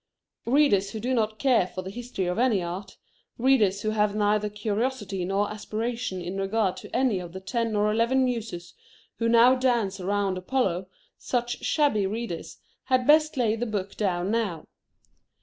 Readers who do not care for the history of any art, readers who have neither curiosity nor aspiration in regard to any of the ten or eleven muses who now dance around Apollo, such shabby readers had best lay the book down now.